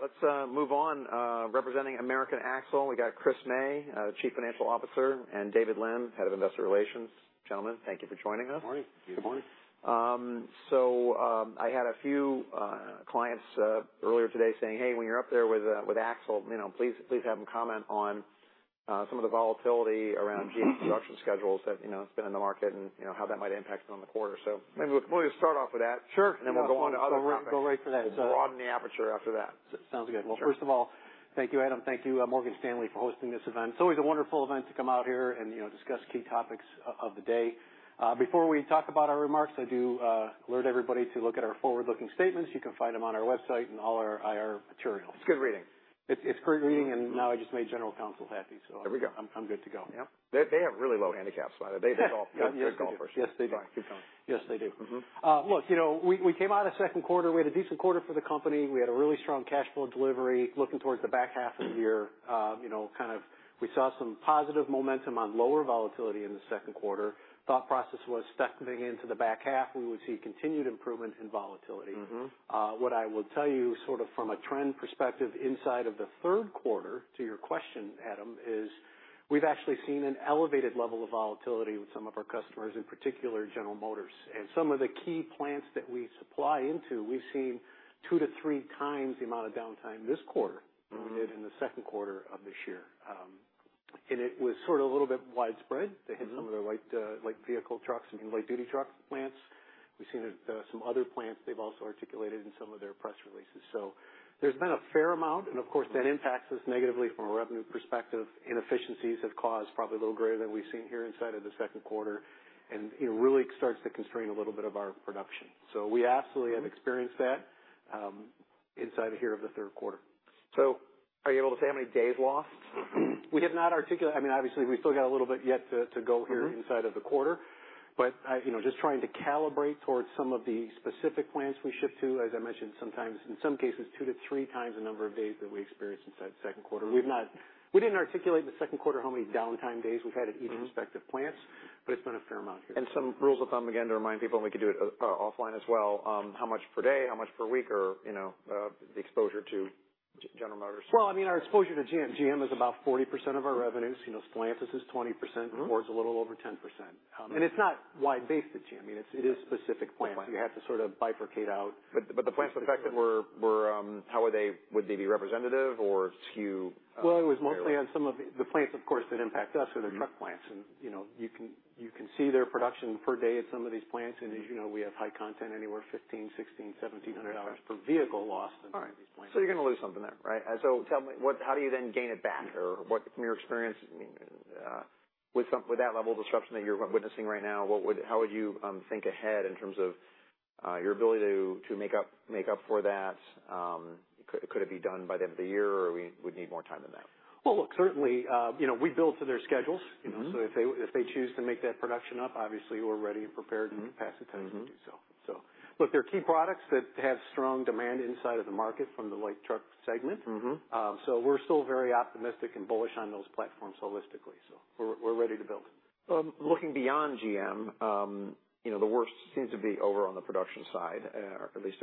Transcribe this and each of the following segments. We're on. All right, let's move on. Representing American Axle, we got Chris May, Chief Financial Officer, and David Lim, Head of Investor Relations. Gentlemen, thank you for joining us. Good morning. Good morning. So, I had a few clients earlier today saying, "Hey, when you're up there with Axle, you know, please, please have them comment on some of the volatility around GM's production schedules that, you know, has been in the market, and, you know, how that might impact us on the quarter." So maybe we want to start off with that. Sure. Then we'll go on to other topics. Go right for that. Broaden the aperture after that. Sounds good. Sure. Well, first of all, thank you, Adam, thank you, Morgan Stanley, for hosting this event. It's always a wonderful event to come out here and, you know, discuss key topics of the day. Before we talk about our remarks, I do alert everybody to look at our forward-looking statements. You can find them on our website and all our IR materials. It's good reading. It's great reading, and now I just made General Counsel happy, so- There we go.... I'm good to go. Yeah. They, they have really low handicaps, by the way. Yes. They're good golfers. Yes, they do. Keep going. Yes, they do. Mm-hmm. Look, you know, we came out of the second quarter. We had a decent quarter for the company. We had a really strong cash flow delivery. Looking towards the back half of the year, you know, kind of we saw some positive momentum on lower volatility in the second quarter. Thought process was stepping into the back half, we would see continued improvement in volatility. Mm-hmm. What I will tell you, sort of from a trend perspective, inside of the third quarter, to your question, Adam, is we've actually seen an elevated level of volatility with some of our customers, in particular, General Motors. Some of the key plants that we supply into, we've seen 2-3x the amount of downtime this quarter than we did in the second quarter of this year. And it was sort of a little bit widespread. Mm-hmm. They hit some of their light vehicle trucks and light-duty truck plants. We've seen it, some other plants, they've also articulated in some of their press releases. So there's been a fair amount, and of course, that impacts us negatively from a revenue perspective. Inefficiencies have caused probably a little greater than we've seen here inside of the second quarter, and, you know, really starts to constrain a little bit of our production. So we absolutely have experienced that, inside of here of the third quarter. Are you able to say how many days lost? I mean, obviously, we still got a little bit yet to go here. Mm-hmm... inside of the quarter, but I, you know, just trying to calibrate toward some of the specific plants we ship to. As I mentioned, sometimes, in some cases, 2-3x the number of days that we experienced inside the second quarter. We didn't articulate in the second quarter how many downtime days we've had at each respective plants. Mm-hmm... but it's been a fair amount here. Some rules of thumb, again, to remind people, and we can do it offline as well, how much per day, how much per week or, you know, the exposure to General Motors? Well, I mean, our exposure to GM, GM is about 40% of our revenues. You know, Stellantis is 20%. Mm-hmm. Ford's a little over 10%. And it's not wide-based at GM. I mean, it's- Mm-hmm it is specific plants. Okay. You have to sort of bifurcate out. But the plants affected were, how are they? Would they be representative or skew? Well, it was mostly on some of the plants, of course, that impact us are the truck plants. Mm-hmm. You know, you can see their production per day at some of these plants, and as you know, we have high content, anywhere $1,500-$1,700 per vehicle lost in some of these plants. All right. So you're going to lose something there, right? So tell me, what-how do you then gain it back? Or what, from your experience, I mean, with that level of disruption that you're witnessing right now, what would-how would you think ahead in terms of your ability to make up for that? Could it be done by the end of the year, or would we need more time than that? Well, look, certainly, you know, we build to their schedules. Mm-hmm. You know, so if they, if they choose to make that production up, obviously, we're ready and prepared- Mm-hmm .and capacity to do so. Mm-hmm. So look, they're key products that have strong demand inside of the market from the light truck segment. Mm-hmm. So we're still very optimistic and bullish on those platforms holistically, so we're ready to build. Looking beyond GM, you know, the worst seems to be over on the production side, at least,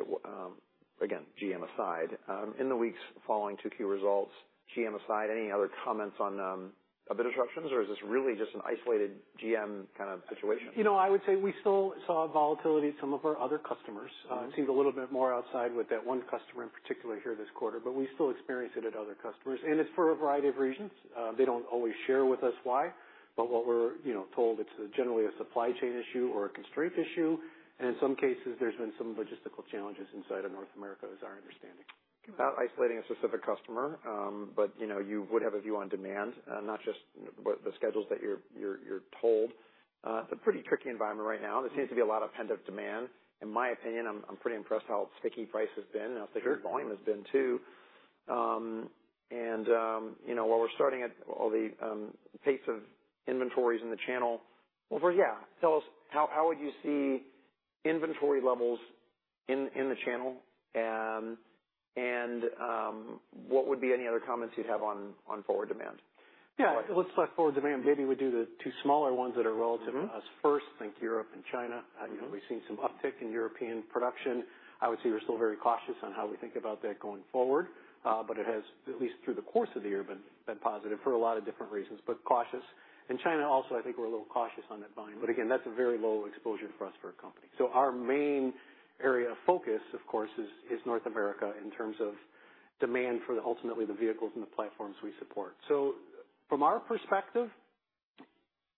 again, GM aside. In the weeks following Q2 results, GM aside, any other comments on of the disruptions, or is this really just an isolated GM kind of situation? You know, I would say we still saw volatility at some of our other customers. Mm-hmm. It seems a little bit more outside with that one customer in particular here this quarter, but we still experience it at other customers, and it's for a variety of reasons. They don't always share with us why, but what we're, you know, told, it's generally a supply chain issue or a constraint issue, and in some cases, there's been some logistical challenges inside of North America, is our understanding. Without isolating a specific customer, but, you know, you would have a view on demand, not just what the schedules that you're told. It's a pretty tricky environment right now. There seems to be a lot of pent-up demand. In my opinion, I'm pretty impressed how sticky price has been. Sure... and how sticky volume has been, too. And, you know, while we're staring at all the pace of inventories in the channel, well, yeah, tell us how you would see inventory levels in the channel? And, what would be any other comments you'd have on forward demand? Yeah, let's talk forward demand. Maybe we do the two smaller ones that are relevant- Mm-hmm... to us first, think Europe and China. Mm-hmm. You know, we've seen some uptick in European production. I would say we're still very cautious on how we think about that going forward, but it has, at least through the course of the year, been positive for a lot of different reasons, but cautious. In China, also, I think we're a little cautious on that volume, but again, that's a very low exposure for us for our company. So our main area of focus, of course, is North America in terms of demand for ultimately the vehicles and the platforms we support. So from our perspective,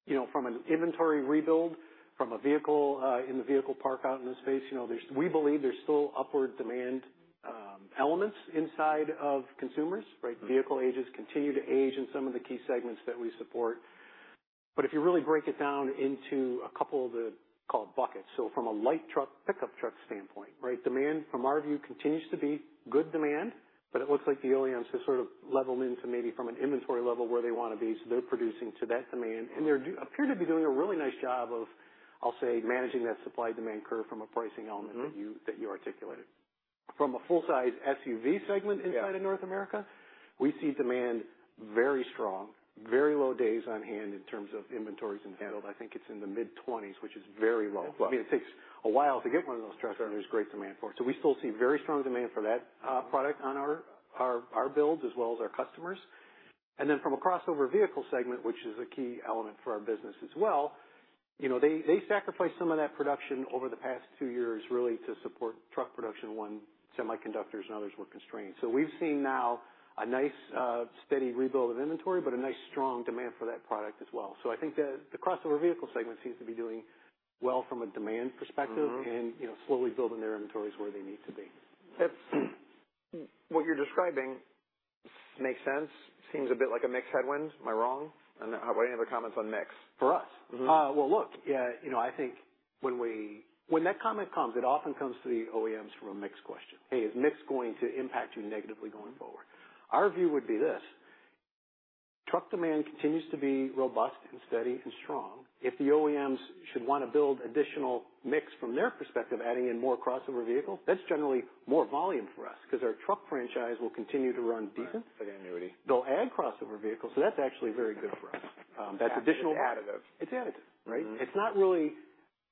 you know, from an inventory rebuild, from a vehicle, in the vehicle park out in the space, you know, we believe there's still upward demand, elements inside of consumers, right? Mm-hmm. Vehicle ages continue to age in some of the key segments that we support. But if you really break it down into a couple of the... called buckets, so from a light truck, pickup truck standpoint, right? Demand, from our view, continues to be good demand, but it looks like the OEMs have sort of leveled into maybe from an inventory level where they want to be, so they're producing to that demand. Mm-hmm. And they do appear to be doing a really nice job of, I'll say, managing that supply-demand curve from a pricing element. Mm-hmm... that you articulated From a full-size SUV segment inside. Yeah of North America, we see demand very strong, very low days on hand in terms of inventories and handled. I think it'sin the mid 20s, which is very low. Wow. I mean, it takes a while to get one of those trucks, and there's great demand for it. So we still see very strong demand for that product on our builds as well as our customers. And then from a crossover vehicle segment, which is a key element for our business as well, you know, they sacrificed some of that production over the past two years, really, to support truck production when semiconductors and others were constrained. So we've seen now a nice steady rebuild of inventory, but a nice, strong demand for that product as well. So I think the crossover vehicle segment seems to be doing well from a demand perspective. Mm-hmm. And, you know, slowly building their inventories where they need to be. If what you're describing makes sense, seems a bit like a mix headwind. Am I wrong? I don't know. What are your other comments on mix? For us? Mm-hmm. Well, look, yeah, you know, I think when that comment comes, it often comes to the OEMs from a mix question. "Hey, is mix going to impact you negatively going forward?" Our view would be this: truck demand continues to be robust and steady and strong. If the OEMs should want to build additional mix from their perspective, adding in more crossover vehicles, that's generally more volume for us because our truck franchise will continue to run deep. Right, like annuity. They'll add crossover vehicles, so that's actually very good for us. That's additional. It's additive. It's additive, right? Mm-hmm. It's not really.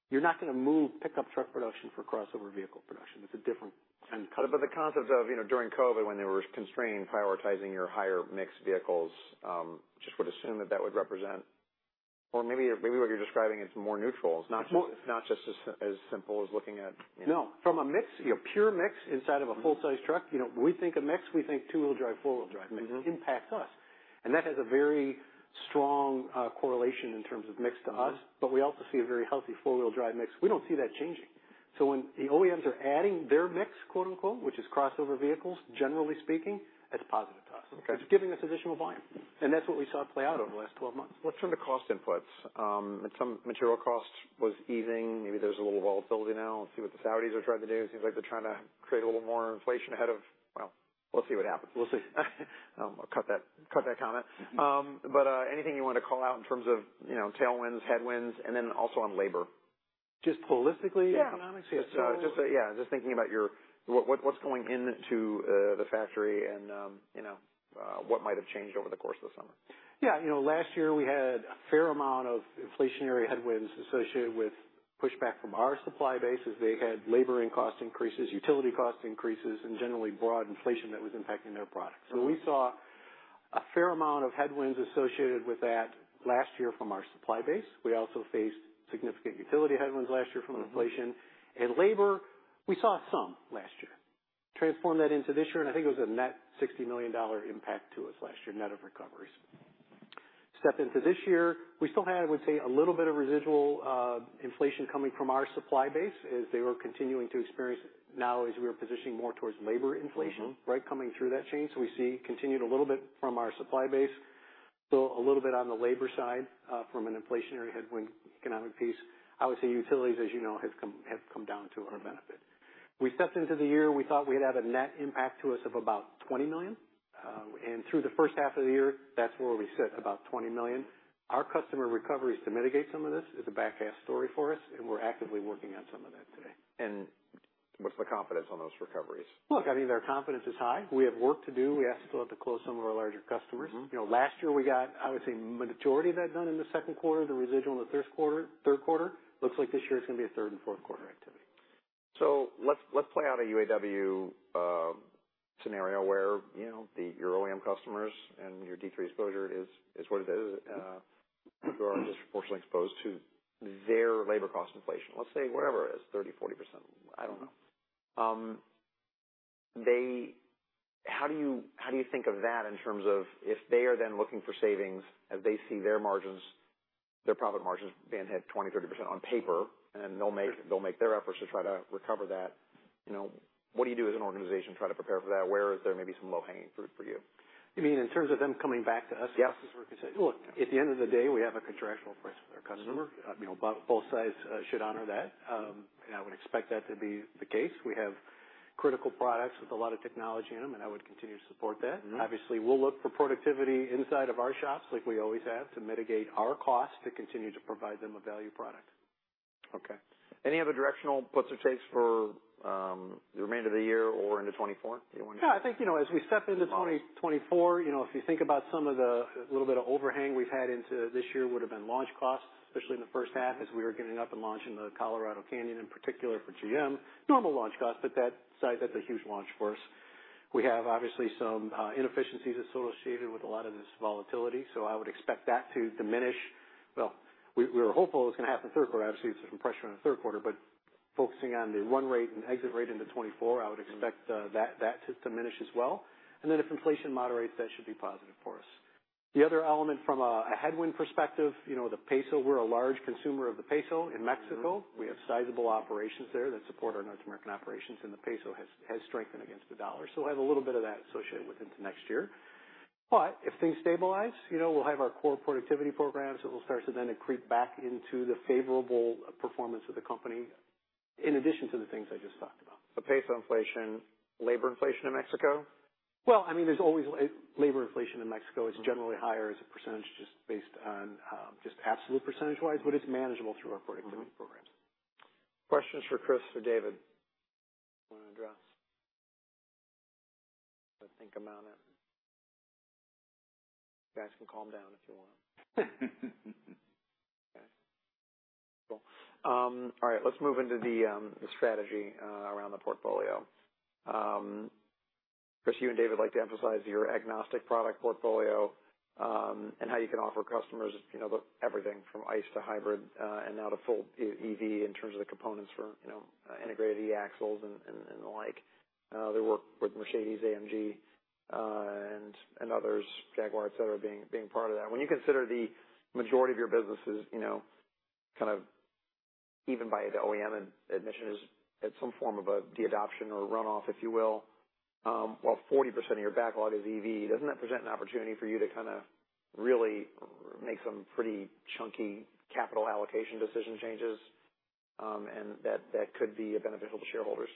You're not going to move pickup truck production for crossover vehicle production. It's a different end customer. But the concept of, you know, during COVID, when they were constraining, prioritizing your higher mixed vehicles, just would assume that that would represent or maybe, maybe what you're describing is more neutral. Well- It's not just as simple as looking at. No. From a mix, a pure mix inside of a full-size truck, you know, we think of mix, we think two-wheel drive, four-wheel drive. Mm-hmm. It impacts us. That has a very strong correlation in terms of mix to us, but we also see a very healthy four-wheel drive mix. We don't see that changing. So when the OEMs are adding their "mix," quote, unquote, which is crossover vehicles, generally speaking, it's positive to us. Okay. It's giving us additional volume, and that's what we saw play out over the last 12 months. What's from the cost inputs? Some material costs was easing. Maybe there's a little volatility now. Let's see what the Saudis are trying to do. It seems like they're trying to create a little more inflation ahead of... Well, we'll see what happens. We'll see. I'll cut that, cut that comment. But, anything you want to call out in terms of, you know, tailwinds, headwinds, and then also on labor? Just holistically. Yeah. economically? Just, yeah, just thinking about what's going into the factory and, you know, what might have changed over the course of the summer. Yeah. You know, last year, we had a fair amount of inflationary headwinds associated with pushback from our supply base as they had laboring cost increases, utility cost increases, and generally broad inflation that was impacting their products. Mm-hmm. We saw a fair amount of headwinds associated with that last year from our supply base. We also faced significant utility headwinds last year from inflation. Mm-hmm. Labor, we saw some last year. Transform that into this year, and I think it was a net $60 million impact to us last year, net of recoveries. Step into this year, we still had, I would say, a little bit of residual, inflation coming from our supply base as they were continuing to experience it. Now, as we are positioning more towards labor inflation. Mm-hmm. Right? Coming through that chain. So we see continued a little bit from our supply base, so a little bit on the labor side, from an inflationary headwind economic piece. I would say utilities, as you know, have come, have come down to our benefit. We stepped into the year, we thought we had had a net impact to us of about $20 million, and through the first half of the year, that's where we sit, about $20 million. Our customer recoveries to mitigate some of this is a back half story for us, and we're actively working on some of that today. What's the confidence on those recoveries? Look, I mean, our confidence is high. We have work to do. We still have to close some of our larger customers. Mm-hmm. You know, last year we got, I would say, majority of that done in the second quarter, the residual in the third quarter, third quarter. Looks like this year, it's going to be a third and fourth quarter activity. So let's play out a UAW scenario where, you know, the—your OEM customers and your D3 exposure is what it is, you are disproportionately exposed to their labor cost inflation. Let's say wherever it is, 30%-40%, I don't know. They how do you think of that in terms of if they are then looking for savings, as they see their margins, their profit margins being hit 20%-30% on paper, and they'll make their efforts to try to recover that, you know, what do you do as an organization to try to prepare for that? Where is there maybe some low-hanging fruit for you? You mean in terms of them coming back to us? Yes. Look, at the end of the day, we have a contractual price with our customer. Mm-hmm. You know, both sides should honor that, and I would expect that to be the case. We have critical products with a lot of technology in them, and I would continue to support that. Mm-hmm. Obviously, we'll look for productivity inside of our shops, like we always have, to mitigate our costs, to continue to provide them a value product. Okay. Any other directional puts or takes for the remainder of the year or into 2024? Do you want to- Yeah, I think, you know, as we step into 20 Uh- 2024, you know, if you think about some of the, a little bit of overhang we've had into this year would have been launch costs, especially in the first half, as we were getting up and launching the Colorado Canyon, in particular for GM. Normal launch costs, at that size, that's a huge launch for us. We have, obviously, some inefficiencies associated with a lot of this volatility, so I would expect that to diminish. Well, we were hopeful it was going to happen third quarter. Obviously, there's some pressure on the third quarter, but focusing on the run rate and exit rate into 2024, I would expect that to diminish as well. And then if inflation moderates, that should be positive for us. The other element from a headwind perspective, you know, the peso, we're a large consumer of the peso in Mexico. Mm-hmm. We have sizable operations there that support our North American operations, and the Mexican peso has strengthened against the U.S. dollar. So we'll have a little bit of that associated with into next year. But if things stabilize, you know, we'll have our core productivity programs that will start to then creep back into the favorable performance of the company, in addition to the things I just talked about. The peso inflation, labor inflation in Mexico? Well, I mean, there's always labor inflation in Mexico. Mm-hmm. It's generally higher as a percentage, just based on, just absolute percentage-wise, but it's manageable through our productivity programs. Mm-hmm. Questions for Chris or David? Want to address? Let's think about it. You guys can calm down if you want. All right, let's move into the strategy around the portfolio. Chris, you and David like to emphasize your agnostic product portfolio, and how you can offer customers, you know, the everything from ICE to hybrid, and now to full E-EV in terms of the components for, you know, integrated e-axles and the like. They work with Mercedes-AMG, and others, Jaguar, et cetera, being part of that. When you consider the majority of your businesses, you know, kind of even by the OEM and admission, is at some form of a de-adoption or runoff, if you will, while 40% of your backlog is EV, doesn't that present an opportunity for you to kind of really make some pretty chunky capital allocation decision changes, and that, that could be beneficial to shareholders?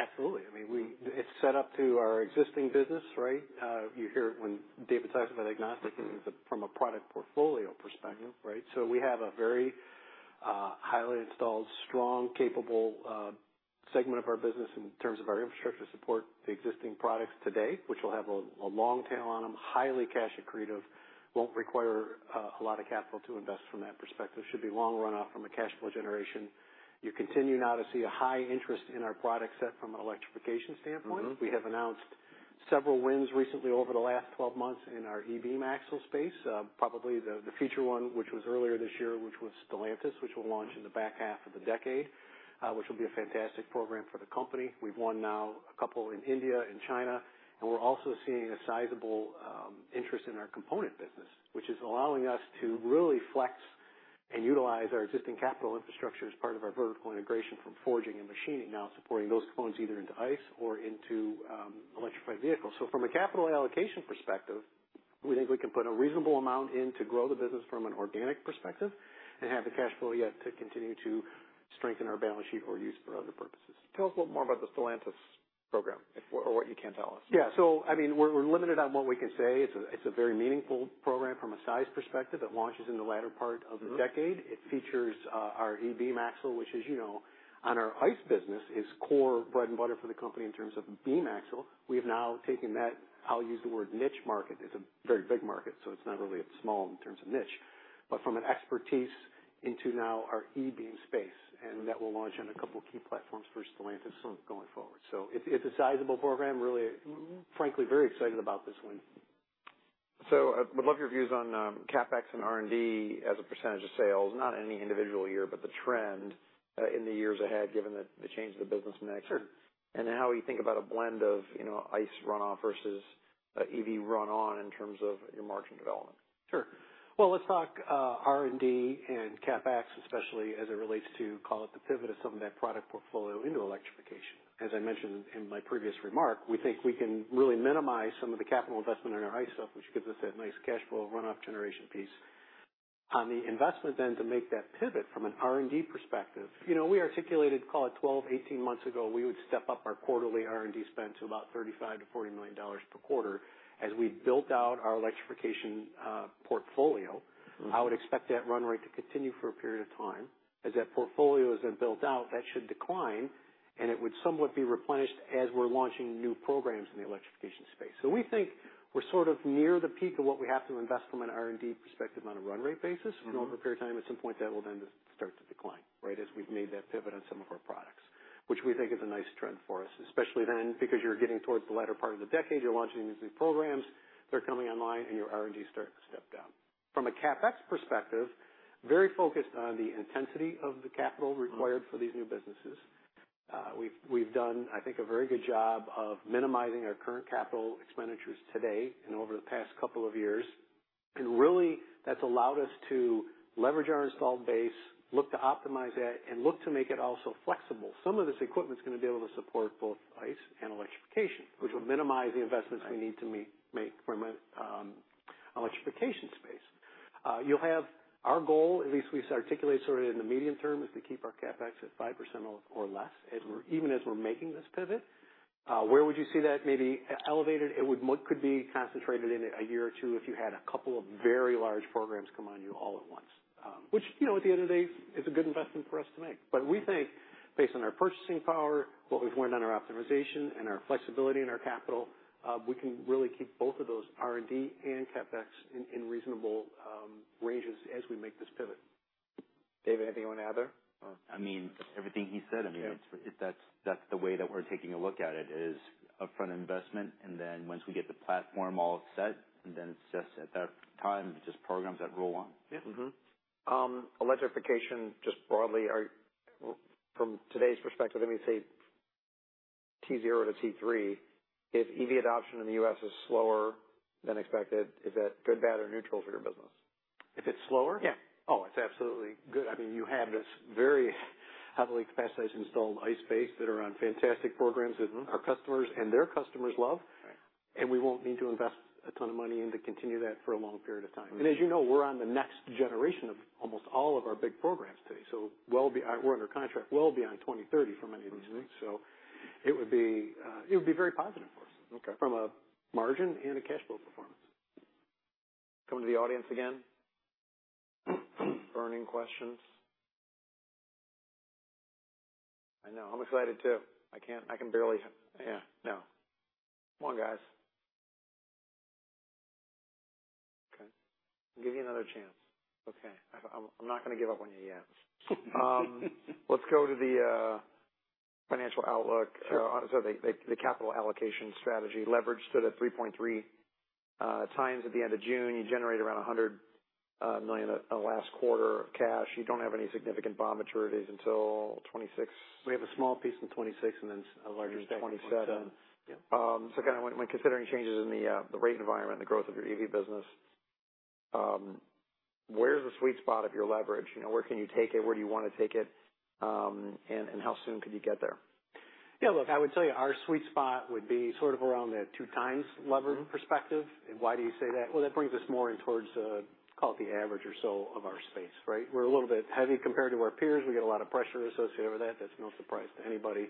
Absolutely. I mean, it's set up to our existing business, right? You hear it when David talks about agnostic, and it's from a product portfolio perspective, right? So we have a very, highly installed, strong, capable, segment of our business in terms of our infrastructure to support the existing products today, which will have a long tail on them, highly cash accretive, won't require a lot of capital to invest from that perspective. Should be long run off from a cash flow generation. You continue now to see a high interest in our product set from an electrification standpoint. Mm-hmm. We have announced several wins recently over the last 12 months in our e-beam axle space. Probably the feature one, which was earlier this year, which was Stellantis, which will launch in the back half of the decade, which will be a fantastic program for the company. We've won now a couple in India and China, and we're also seeing a sizable interest in our component business, which is allowing us to really flex and utilize our existing capital infrastructure as part of our vertical integration from forging and machining, now supporting those components either into ICE or into electrified vehicles. So from a capital allocation perspective, we think we can put a reasonable amount in to grow the business from an organic perspective and have the cash flow yet to continue to strengthen our balance sheet or use it for other purposes. Tell us a little more about the Stellantis program, if or what you can tell us. Yeah. So, I mean, we're, we're limited on what we can say. It's a, it's a very meaningful program from a size perspective. It launches in the latter part of the decade. Mm-hmm. It features our e-beam axle, which, as you know, on our ICE business, is core bread and butter for the company in terms of beam axle. We have now taken that. I'll use the word niche market. It's a very big market, so it's not really a small in terms of niche, but from an expertise into now our e-beam space, and that will launch on a couple of key platforms for Stellantis going forward. So it's a sizable program, really, frankly, very excited about this one. So I would love your views on CapEx and R&D as a percentage of sales, not any individual year, but the trend in the years ahead, given the change in the business mix. Sure. How you think about a blend of, you know, ICE runoff versus EV run on in terms of your margin development? Sure. Well, let's talk, R&D and CapEx, especially as it relates to, call it, the pivot of some of that product portfolio into electrification. As I mentioned in my previous remark, we think we can really minimize some of the capital investment in our ICE stuff, which gives us that nice cash flow runoff generation piece. On the investment then, to make that pivot from an R&D perspective, you know, we articulated, call it 12-18 months ago, we would step up our quarterly R&D spend to about $35 million-$40 million per quarter. As we built out our electrification portfolio- Mm-hmm. I would expect that run rate to continue for a period of time. As that portfolio has been built out, that should decline, and it would somewhat be replenished as we're launching new programs in the electrification space. So we think we're sort of near the peak of what we have to invest from an R&D perspective on a run rate basis. Mm-hmm. over a period of time, at some point, that will then start to decline, right? As we've made that pivot on some of our products, which we think is a nice trend for us, especially then, because you're getting towards the latter part of the decade, you're launching these new programs, they're coming online and your R&D start to step down. From a CapEx perspective, very focused on the intensity of the capital required for these new businesses. We've done, I think, a very good job of minimizing our current capital expenditures today and over the past couple of years, and really, that's allowed us to leverage our installed base, look to optimize that, and look to make it also flexible. Some of this equipment is going to be able to support both ICE and electrification, which will minimize the investments. Right. We need to make from an electrification space. You'll have our goal, at least we've articulated sort of in the medium term, is to keep our CapEx at 5% or less, even as we're making this pivot. Where would you see that maybe elevated? It could be concentrated in a year or two if you had a couple of very large programs come on you all at once, which, you know, at the end of the day, is a good investment for us to make. But we think based on our purchasing power, what we've learned on our optimization and our flexibility in our capital, we can really keep both of those R&D and CapEx in reasonable ranges as we make this pivot. David, anything you want to add there? I mean, everything he said, I mean- Yeah. That's the way that we're taking a look at it: upfront investment, and then once we get the platform all set, and then at that time, it's just programs that roll on. Yeah. Mm-hmm. Electrification, just broadly, from today's perspective, let me say T0 to T3, if EV adoption in the U.S. is slower than expected, is that good, bad, or neutral for your business? If it's slower? Yeah. Oh, it's absolutely good. I mean, you have this very heavily capacitated, installed ICE base that are on fantastic programs that- Mm-hmm. our customers and their customers love. Right. We won't need to invest a ton of money into continuing that for a long period of time. Mm-hmm. As you know, we're on the next generation of almost all of our big programs today. So, we're under contract well beyond 2030 for many of these things. Mm-hmm. So it would be, it would be very positive for us- Okay. from a margin and a cash flow performance. Coming to the audience again. Burning questions?... I know. I'm excited, too. I can't. I can barely, yeah, no. Come on, guys. Okay, I'll give you another chance. Okay. I'm not going to give up on you yet. Let's go to the financial outlook. So the capital allocation strategy leverage stood at 3.3 times at the end of June. You generated around $100 million last quarter of cash. You don't have any significant bond maturities until 2026. We have a small piece in 2026 and then a larger 2027. Yeah. So kind of when considering changes in the rate environment and the growth of your EV business, where's the sweet spot of your leverage? You know, where can you take it? Where do you want to take it? And how soon could you get there? Yeah, look, I would tell you our sweet spot would be sort of around the 2x leverage perspective. Mm-hmm. Why do you say that? Well, that brings us more in towards, call it the average or so of our space, right? We're a little bit heavy compared to our peers. We get a lot of pressure associated with that. That's no surprise to anybody.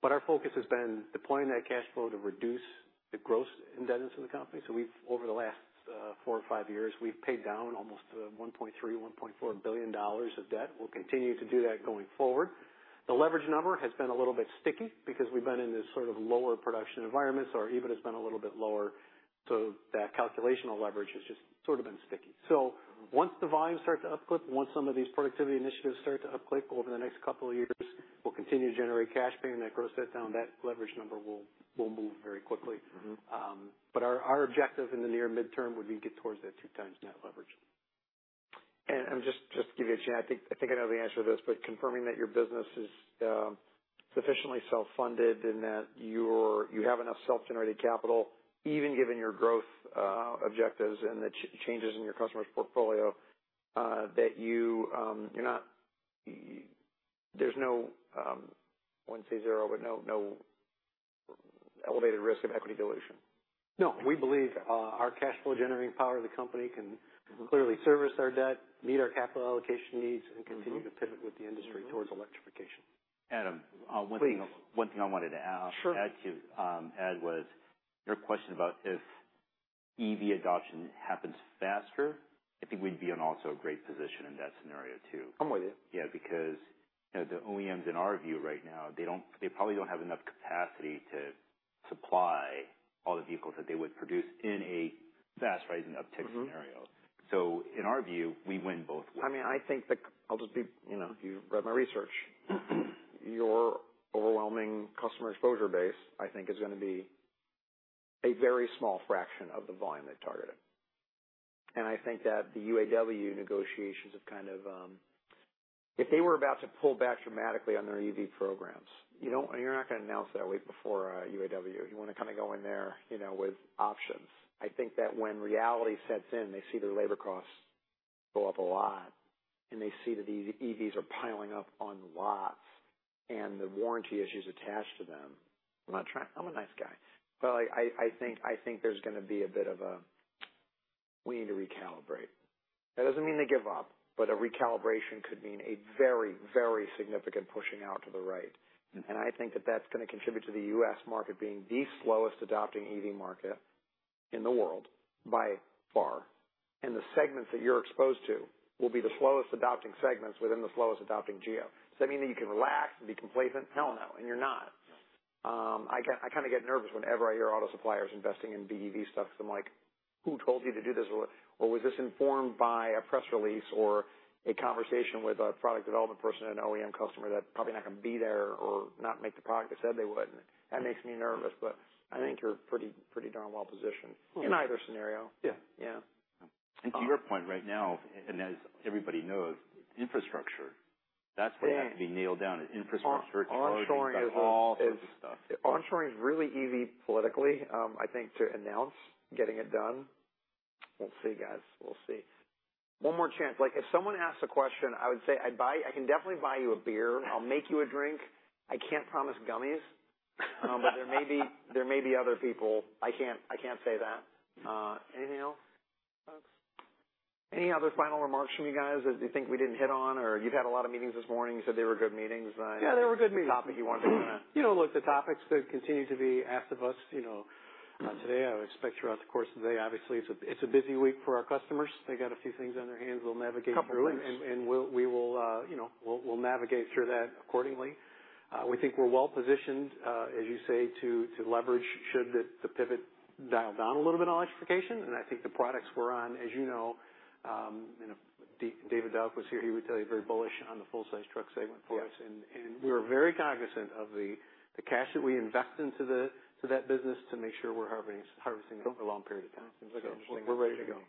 But our focus has been deploying that cash flow to reduce the gross indebtedness of the company. So we've over the last four or five years, we've paid down almost $1.3-$1.4 billion of debt. We'll continue to do that going forward. The leverage number has been a little bit sticky because we've been in this sort of lower production environment, so our EV has been a little bit lower, so that calculated leverage has just sort of been sticky. Once the volume starts to upclick, once some of these productivity initiatives start to upclick over the next couple of years, we'll continue to generate cash paying that gross debt down. That leverage number will, will move very quickly. Mm-hmm. Our objective in the near midterm would be get towards that 2x net leverage. Just to give you a chance, I think I know the answer to this, but confirming that your business is sufficiently self-funded and that you have enough self-generated capital, even given your growth objectives and the changes in your customers' portfolio, that you, you're not—there's no, I wouldn't say zero, but no elevated risk of equity dilution? No. We believe, our cash flow generating power of the company can clearly service our debt- Mm-hmm. meet our capital allocation needs Mm-hmm. and continue to pivot with the industry towards electrification. Adam? Please. One thing I wanted to ask- Sure. That was your question about if EV adoption happens faster, I think we'd be in also a great position in that scenario, too. I'm with you. Yeah, because, you know, the OEMs, in our view, right now, they don't—they probably don't have enough capacity to supply all the vehicles that they would produce in a fast rising uptick scenario. Mm-hmm. In our view, we win both ways. I mean, I think that I'll just be... You know, you've read my research. Your overwhelming customer exposure base, I think, is going to be a very small fraction of the volume they've targeted. And I think that the UAW negotiations have kind of, if they were about to pull back dramatically on their EV programs, you don't, you're not going to announce that a week before UAW. You want to kind of go in there, you know, with options. I think that when reality sets in, they see their labor costs go up a lot, and they see that these EVs are piling up on lots and the warranty issues attached to them. I'm not trying—I'm a nice guy, but I, I think, I think there's going to be a bit of a, "We need to recalibrate." That doesn't mean they give up, but a recalibration could mean a very, very significant pushing out to the right. And I think that that's going to contribute to the U.S. market being the slowest adopting EV market in the world by far. And the segments that you're exposed to will be the slowest adopting segments within the slowest adopting geo. Does that mean that you can relax and be complacent? Hell, no. You're not. I kind of get nervous whenever I hear auto suppliers investing in BEV stuff. So I'm like: Who told you to do this? Or, or was this informed by a press release or a conversation with a product development person at an OEM customer that's probably not going to be there or not make the product they said they would? That makes me nervous, but I think you're pretty, pretty darn well positioned- Mm-hmm. in either scenario. Yeah. Yeah. To your point, right now, and as everybody knows, infrastructure, that's what has to be nailed down, is infrastructure. Onshoring is- All sorts of stuff. Onshoring is really easy politically, I think, to announce getting it done. We'll see, guys, we'll see. One more chance. Like, if someone asks a question, I would say I'd buy, I can definitely buy you a beer. I'll make you a drink. I can't promise gummies, but there may be, there may be other people. I can't, I can't say that. Anything else, folks? Any other final remarks from you guys that you think we didn't hit on or you've had a lot of meetings this morning, you said they were good meetings? Yeah, they were good meetings. Topics you wanted to, You know, look, the topics that continue to be asked of us, you know, today, I would expect throughout the course of the day. Obviously, it's a busy week for our customers. They got a few things on their hands. We'll navigate through- Couple things. and we'll navigate through that accordingly, you know. We think we're well positioned, as you say, to leverage should the pivot dial down a little bit on electrification. And I think the products we're on, as you know, you know, if David Dauch was here, he would tell you he's very bullish on the full-size truck segment for us. Yeah. We are very cognizant of the cash that we invest to that business to make sure we're harvesting it over a long period of time. We're ready to go.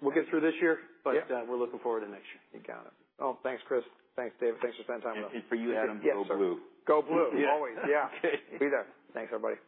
We'll get through this year- Yeah. We're looking forward to next year. You got it. Oh, thanks, Chris. Thanks, David. Thanks for spending time with us. For you, Adam, go blue. Go blue. Yeah. Always. Yeah. Be there. Thanks, everybody.